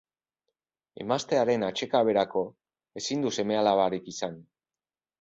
Emaztearen atsekaberako, ezin du seme-alabarik izan.